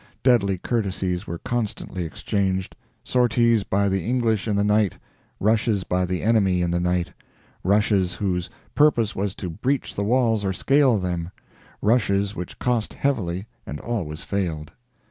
Deadly courtesies were constantly exchanged sorties by the English in the night; rushes by the enemy in the night rushes whose purpose was to breach the walls or scale them; rushes which cost heavily, and always failed.